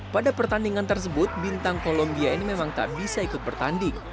pada pertandingan tersebut bintang kolombia ini memang tak bisa ikut bertanding